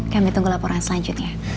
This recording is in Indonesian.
kami tunggu laporan selanjutnya